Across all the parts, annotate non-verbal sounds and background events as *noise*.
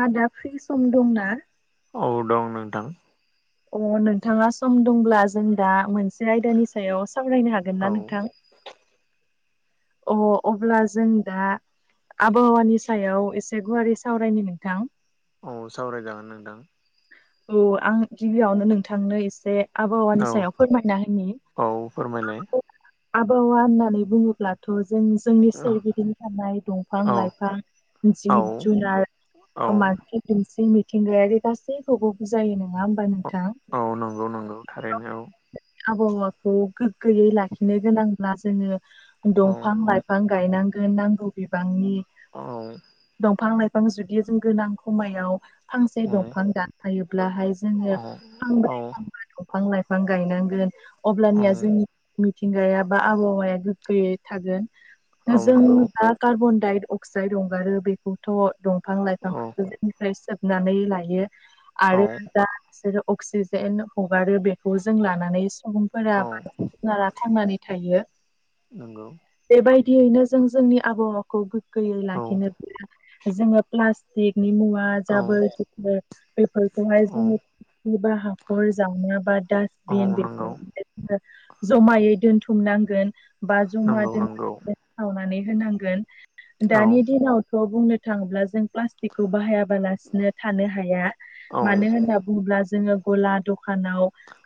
ङा दा फ्रि सम दंना? औ दं नोंथां अ नोंथाङा सम दंब्ला जों दा मोनसे आयदानि सायाव सावरायनो हागोन औ ना नोंथां? अ अब्ला जों दा आबहावानि सायाव एसे गुवारै सावरायनि नोंथां, औ सावरायजागोन नोंथां। औ आं गिबियावनो नोंथांनो एसे आबहावानि औ सायाव फोरमायना होनि औ फोरमायलाय आबहावा होननानै बुंङोब्लाथ' जों जोंनि औ सोरगिदिं थानाय दंफां लाइफां औ जिब जुनार औ ओ मानसि *unintelligible* मिथिंगायारि गासै खौबो बुजायो नंङा होमबा नोंथां? औ नंगौ नंगौ थारैनो आबहावाखौ गोग्गोयै लाखिनो गोनांब्ला जोंङो औ दंफां लाइ फां गायनांगोन नांगौ बिबांनि औ दंफां लाइ फां जुदि जों गोनां खमायाव फांसे औ दंफां दानफायोब्लाहाय जोंङो औ फांब्रै फांबा दंफां लाइफां गायनांगोन औ अब्लानिया *unintelligible* मिथिंगाया बा आबहावाया गोख्रैयै थागोन औ जों नंगौ दा कार्बन-डाइद-अक्साइड हंगारो बेखौथ' दंफां औ लाइफांङो निफ्राय सोबनानै लायो। औ आरो जा बिसोरो अक्सिजेन हगारो बेखौ जों लानानै सुबुंफोरा औ *unintelligible* थांनानै थायो। *unintelligible* बेबायदियैनो जों जोंनि आबहावाखौ गोगोयै औ लाखिनोब्ला जोंङो प्लास्टिकनि मुवा औ जाबोर जुबोर बेफोरखौहाय औ जोंङो बा हाखर जानो बा औ डासटबिन नंगौ बेफोर जमायै दोनथुमनांगोन बा जमा नंगौ दोन नंगौ सावनानै होनांगोन औ दानि दिनावथ' बुंनो थांङोब्ला जों फ्लास खौ बाहायाबालासिनो थानो हाया औ मानो होना बुंङोब्ला जोंङो गला दखानाव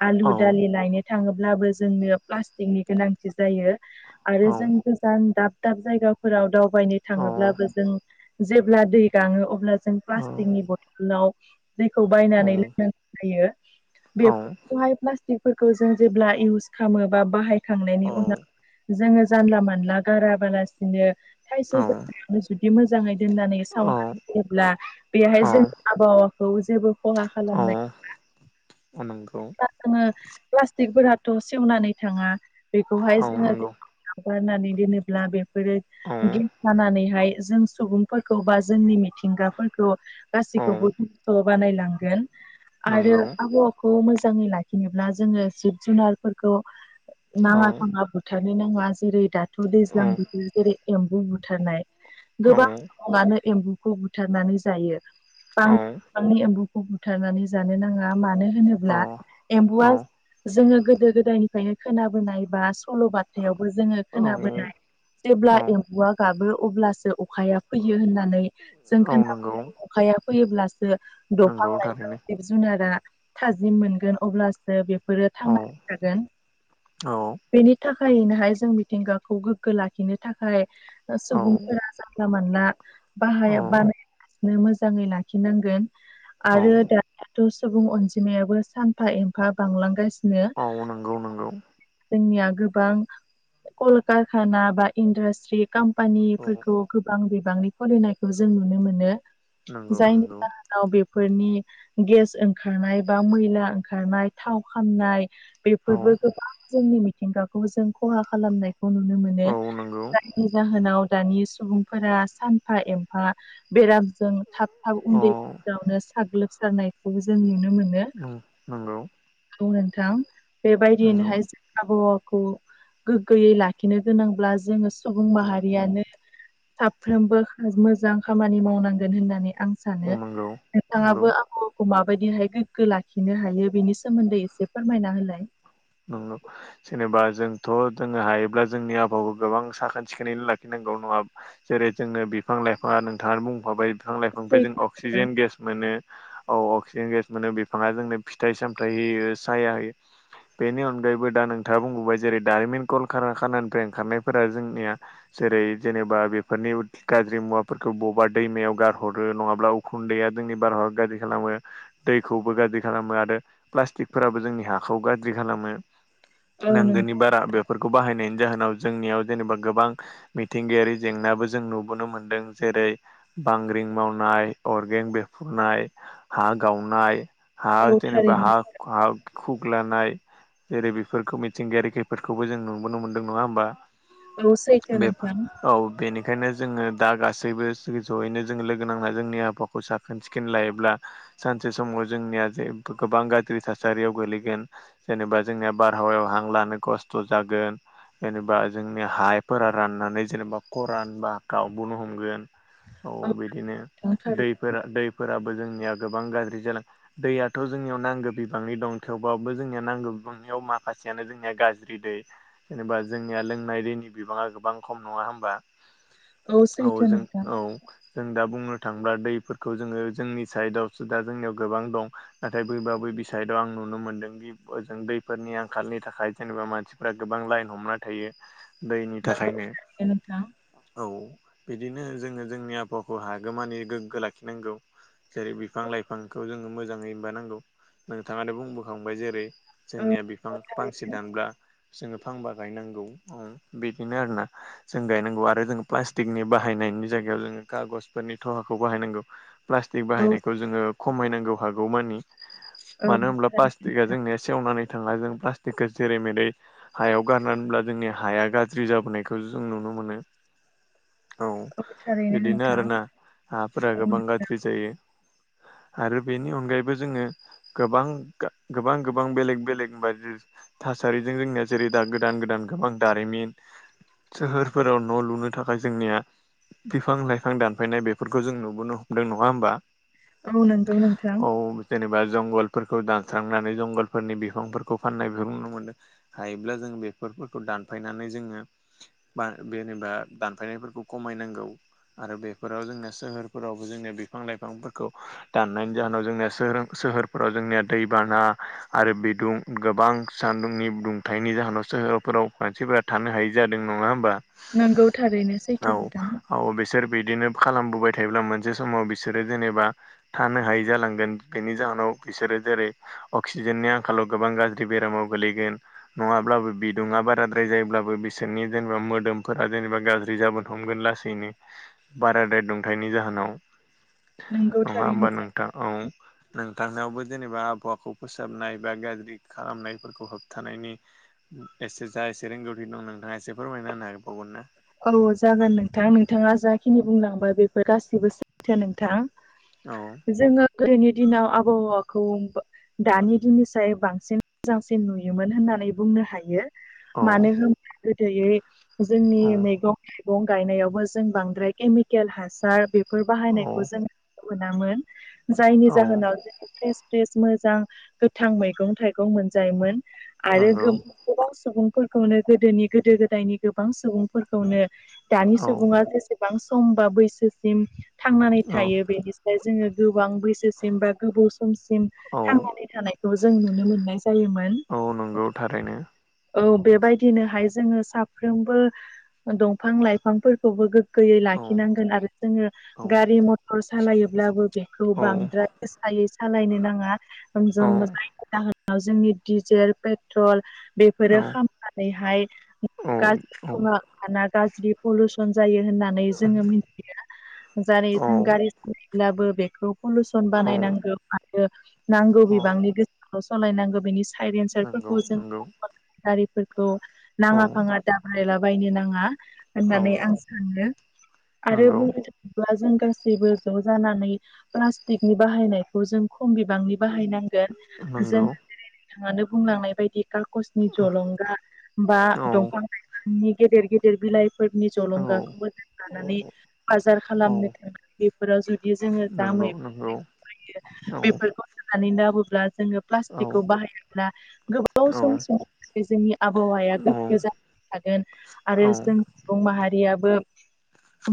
आलु औ दालि लायनो थांङोब्लाबो जोंनो प्लास्टिकनि गोनांथि जायो औ आरो जों दाब दाब जायगाफोराव दावबायनो औ थांङोब्लाबो जों जेब्ला दै गांङो अब्ला जों औ प्लास्टिकनि बथलाव दैखौ बायनानै लोंनाय जायो। औ बेफोरखौहाय प्लास्टिकफोरखौ जों जेब्ला इउस खालामो बा बाहाय खांनायनि उनाव जोंङो जानला मानला गाराबालासिनो थाइसे *unintelligible* बि मोजांङै दोननानै साउन्ड होयोब्ला बेवहाय जों औ आबहावाखौ जेबो खहा खालामनाय अ नंगौ। जोंङो प्लास्टिकफोराथ' सेवनानै थांङा औ बेखौहाय जोंङो नंगौ गारनानै दोनोब्ला बेफोरो औ गेस जानानैहाय जों सुबुं फोरखौ बा जोंनि मिथिंगाफोरखौ औ गासैखौबो बानायलांगोन। आरो नंगौ आबहावाखौ मोजांङै लाखिनोब्ला जोंङो जिब जुनारफोरखौ औ नांङा फांङा बुथारनो नांङा जेरै दाथ' दैज्लां औ बोथोर जेरै एम्बु बुथारनाय औ गोबां समानो एम्बुखौ बुथारनानै जायो। बां औ बिबांनि एम्बुखौ बुथारनानै जानो नांङा मानो होनोब्ला एम्बौआ औ जोंङो गोदो गोदायनिफ्रायनो खोनाबोनाय बा सल'बथायावबो जोंङो औ खोनाबोनाय जेब्ला औ एम्फुआ गाबो अब्लासो अखाया फैयो होननानै जों औ नंगौ खोनाबाय अखाया फैयोब्लासो दंफां नंगौ लाइफां थारैनो जुनारा थाजिम मोनगोन अब्लासो बे फोरो औ थांना थागोन औ बेनि थाखायनोहाय जों मिथिंगाखौ गोग्गो लाखिनो थाखाय औ सुबुंफोरा जानला मोनानला बाह औ बानाय मोजाङै लाखिनांगोन औ आरो दाथ' सुबुं अनजिमायाबो सा एफा एमफा बांलांगासिनो। औ नंगौ नंगौ जोंनिया गोबां कलकारखाना बा इन्डास्ट्रि औ काम्पानिफोरखौ गोबां बिबांनि फरायनायखौ जों नुनो मोनो नंगौ जायनि नंगौ बेफोरनि गेस ओंखारनाय बा मैला ओंखारनाय थाव खामनाय औ बेफोरबो गोबां जोंनि मिथिंगाखौ जों खहा खालामनायखौ नुनो मोनो औ नंगौ नि जाहोनाव दानि सुबुंफोरा सानफा एमफा बेरामजों थाब थाब औ उन्दै गावनो साग्लोबसारनायखौबो जों नुनो मोनो। उ नंगौ औ नोंथां नंगौ बेबायदियैनोहाय आबहावाखौ गोग्गोयै लाखिनो गोनांब्ला जोङो सुबुं माहारियानो साफ्रोमबो मोजां खामानि मावनांगोन होननानै आं सानो औ नंगौ नंगौ नोंथाङाबो आंखौ- खौ माबायदिहाय गोग्गो लाखिनो हायो बेनि सोमोन्दै एसे फोरमायना होलाय। नंगौ जेनेबा जोंथ' जोङो हायोब्ला जोंनि आबहावखौ गोबां साखोन सिखोनै लाखिनांगौ नङा होमबा‌? जेरै जोङो बिफां लाइफाङा नोंथाङा बुंफाबाय बिफां लाइफांनिफ्राय जों सैथो नोंथां अक्सिजेन गेस मोनो। औ अक्सिजेन गेस मोनो बिफाङा जोंनो फिथाइ सामथायाइ होयो साया होयो। बेनि अनगायैबो दा नोंथाङा बुंबोबाय जेरै दारिमिन कलका खानानिफ्राय ओंखारनायफोरा जोंनिया- जेरै जेनेबा बेफोरनि गाज्रि मुवाफोरखौ बबेबा दैमायाव गारहरो नङाब्ला- उखुन्दैया जोंनि बारहावा गाज्रि खालामो‌। दैखौबो गाज्रि खालामो आरो प्लास्टिकफोराबो जोंनि हाखौ गाज्रि खालामो औ नांगौनि नोंथां बारा बेफोरखौ बाहायनायनि जाहोनाव जोंनियाव जेनेबा गोबां मिथिंगायारि जेंनाबो जों नुबोनो मोनदों जेरै बांग्रिं मावनाय अरगें बेरफ्रुनाय हा गावनाय- ह औ जेनबा थारैनो हा ह खुग्लानाय जेरै बेफोरखौ मिथिंगायारि खैफदफोरखौबो जों नुबोनो मोन्दों नङा होमबा। न सैथो बे नोंथां औ बेनिखायनो जोङो दा गासैबो ज'यैनो जो लोगो नांना जोंनि आब'हा खौ साखोन सिखोन लायोब्ला- सानसे समाव जोंनिया जे गोबां गाज्रि थासारियाव गोलैगोन जेनेबा जोंनिया बारहावायाव हां लानो खस्थ' जागोन जेनेबा जोंनि हायफोरा राननानै जेनेबा खरान बा गावबोननो हमगोन औ बिदिनो नोंथां दै थारै दैफोराबो जोंनिया गोबां गाज्रि जालां दैयाथ' जोंनियाव नांगौ बिबाङनि दं थेवबाबो जोंनिया नांगौनियाव माखासेयानो जोंनिया गाज्रि दै जेनेबा जोंनिया लोंनाय दैनि बिबाङा गोबां खम नङा होमबा औ सैथो जों नोंथां औ जों दा बुंनो थांला दैफोरखौ जोङो जोंनि साइदआवसो दा जोंनियाव गोबां दं नाथाय बैबा बै बिसायदआव आं नुनो मोन्दों दि ओजों दैफोरनि आंखालनि थाखाय जेनेबा मानसिफ्रा गोबां लाइन हमना थायो। दैनि नंगौ थाखायनो थारैनो नोंथां। औ बिदिनो जोङो जोंनि आबहावाखौ हागोमानि गोग्गो लाखिनांगौ जेरै- बिफां लाइफांखौ जोङो मोजाङै बानांगौ नोंथाङानो बुंबोखांबाय जेरै औ जोंनिया बिफां औ थारैनो फांसे दानब्ला जोङो फांबा गायनांगौ बिदिनो आरोना जों गायनांगौ आरो जों प्लास्टिकनि बाहायनायनि जायगायाव जोङो खागजफोरनि थहाखौ बाहायनांगौ। प्लास्टिक औ बाहायनायखौ जोङो खमायनांगौ हागौमानि औ मानो होनोमब्ला थारैनो प्लास्टिकआ नोंथां जोंनिया सेवनानै थाङा जों प्लास्टिकखौ जेरै मेरै हायाव गारनानैब्ला जोंनि हाया गाज्रि जाबोनायखौ जों नुनो मोनो। औ थारैनो बिदिनो नोंथां आरोना हाफोरा औ गोबां नोंथां गाज्रि आरो बेनि अनगायैबो जोङो गोबां गोबां गोबां बेलेग बेलेग बदि थासारिजों जोंनिया जेरै दा गोदान गोदान गोबां दारिमिन सोहोरफोराव न' लुनो थाखाय जोंनिया बिफां लाइफां दानफायनाय बेफोरखौ जों नुबोनो हमदों नङा होमबा? औ नंगौ नोंथां औ जेनेबा जंगलफोरखौ दानस्रांनानै जंगलफोरनि बिफांफोरखौ फाननायफोरखौ नुनो मोनदों। हायोब्ला जों बेफोरखौ दानफायनानै जोङो बा जेनेबा दानफायनायफोरखौ खमायनांगौ। आरो बेफोराव जोंनि सोहोरफोरावबो जोंनिया बिफां लाइफांफोरखौ दाननायनि जाहोनाव जोंनिया सोहोर सोहोर फोराव जोंनिया दैबाना आरो बिदुं गोबां सानदुंनि दुंथाइनि जाहोनाव सोहोरफोराव मानसिफोरा थानो हायि जादों नङा होमबा। नंगौ थारैनो औ सैथो नोंथां। औ बिसोर बिदिनो खालामबोबाय थायोब्ला मोनसे समाव बिसोरो जेनेबा थानो हायै जालांगोन बेनि जाहोनाव बिसोरो जेरै अक्सिजेननि आंखालाव गोबां गाज्रि बेरामाव गोलैगोन। नङाब्लाबो बिदुङा बाराद्राय जायोब्लाबो बिसोरनि जेनेबा मोदोमफोरा जेनेबा गाज्रि जाबोन हमगोन लासै नो बारादाय दुंथायाइनि जाहोनाव। नंगौ नङा होमबा थारैनो नोंथां औ नोंथांनावबो जेनेबा आबहावाखौ फोसाबनाय बा गाज्रि खालामनायफोरखौ होबथानायनि एसे जा एसे रोंगौथि दं नोंथाङा एसे फोरमायना होनोन हागबावगोन ना? औ जागोन नोंथां नोंथाङा जाखिनि बुंलांबाय बेफोर गासैबो सैथो नोंथां। *unintelligible* औ जोङो गोदोनि दिनाव आबहावाखौ दानि दिनिसाय बांसिन मोजांसिन नुयोमोन होननानै बुंनो हायो। औ मानो होनब्ला गोदोयै जोंनि औ मैगं थाइगं गायनायावबो जों बांद्राय केमिकेल हासार बेफोर बाहायनायखौ औ जों मोनामोन जायनि औ जाहोनाव फ्रेश फ्रेश मोजां गोथां मैगं थाइगं मोनजायोमोन आरो नंगौ गोबां सुबुंफोरखौनो गोदोनि गोदो गोदायनि गोबां सुबुंफोरखौनो दानि औ सुबुङा जेसेबां समबा बैसोसिम थांनानै औ थायो बेनिफ्राय जोङो गोबां बैसोसिम बा गोबाव समसिम औ थांनानै थानायखौ जों नुनो मोननाय जायोमोन। गौ थारैनो। औ बेबायदिनोहाय जोङो साफ्रोमबो दंफां लाइफांफोरखौबो गोैयै औ लाखिनांगोन आरो जोङो औ गारि मथर सालायोब्लाबो बेखौ औ बांद्राय गोसायै सालायनो नाङा ज औ जायनि जाहोनाव जोंनि डिजेल पेट्रल पेट्रल बेफोरो खालामामनानैहाय औ गाज्रि थुआ गाज्रि पलुसन जायो होननानै जोङो मिथिया जेरै जों गारि ब्लाबो बेखौ पलुसन औ बानायनांगौ आरो नांगौ औ बिबांनि गोसो सालायनांगौ बेनि साइड नंगौ एन्सारफोरखौ जों नंगौ गारिफोरखौ औ नाङा फाङा दा बारायला बायनो नाङा होननानै औ आं सानो आरो नंगौ बुंनो थाखाय जों गासैबो ज' जानानै प्लास्टिकनि बाहायनायखौ जों खम बिबांनि बाहायनांगोन जों नंगौ नाङानो बुंलांनाय बायदि काकसनि औ जलंगा बा औ दंफांनि गेदेर गेदेर बिलाइ फोरनि औ जलंगाखौबो लानानै बाजार खालामनो औ *unintelligible* बेफोराव जु बि जोङो दा नंगौ नंगौ *unintelligible* औ बेफोरखौ होनानै लाबोब्ला जोङो औ प्लास्टिकखौ बाहायोब्ला गोबाव औ समसिमनि जोंनि आबहावाया गोग्गो जानानै थागोन। आरो जों औ सुबुं माहारियाबो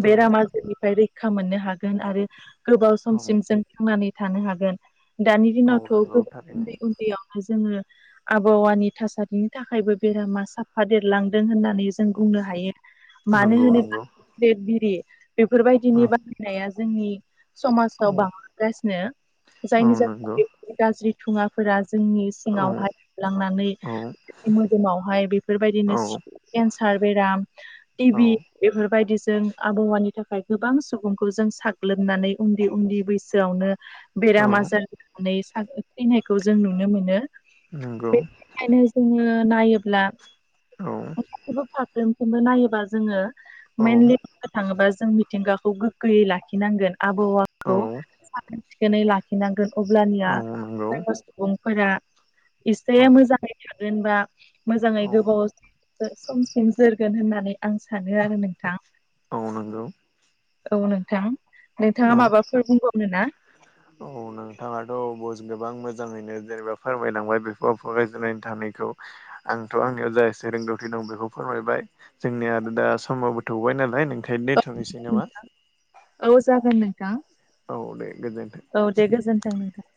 औ बेराम आजारनिफ्राय रैखा खा मोननो हागोन आरो गोबाव औ समसिम जों थांनानै थानो हागोन।। दानि औ दिनावथ' नंगौ थारैनो जोङो आबहावानि थासारिनि थाखायबो बेरामा साफा देरलांदों होननानै जों बुंनो हायो मानो नंगौ नंगौ होनोबागिरि बेफोरबायदिनि औ बा बाहायनाया जोंनि समाजाव बांलांगासिनो औ जायनि जाहोन नंगौ बे गाज्रि थुङा फोरा जोंनि औ सिङावहाय लांनानै औ मोदोमावहाय बेफोरबायदिनो औ *unintelligible* केन्चार बेराम औ टिभि बेफोर बायदि जों आबहावानि थाखाय गोबां सुबुंखौ जों साग्लोबनानै उन्दै उन्दै बैसोआवनो बेराम आजार *unintelligible* होनानै थैनायखौ जों नुनो मोनो। नोंगौ। बेखायनो जोङो नायोब्ला औ। फाग्लमखौनो नायोबा जोङो औ मेइनलि थाङोबा जों मिथिंगाखौ गोग्गोयै लाखिनांगोन औ आबहावाखौ साखोन सिखोनै ला खिनांगोन अब्लानिया नंगौ जोंनो सुबुंफोरा औ एसे मोजाङै थागोनबा मोजाङै गोबाव औ *unintelligible* समसिम जोरगोन होननानै आं सानो आरो नोंथां। नंगौ औ नोंथां, नोंथाङा औ माबा फोर बुंबावनो ना? औ नोंथाङाथ' गोबां मोजाङैनो जेनेबा फोरमायलांबाय बेफोर फरायजायनानै थानायखौ। आंथ' आंनियाव जायसे रोंगौथि दं बेखौ फोरमायबाय जोंनिया आरो दा समावबोथौबाय नालाय नोंखायनो द थांनोसै नामा? औ जागोन नोंथां। औ दे गोजोन्थों। औ दे गोजोनथों नोंथां।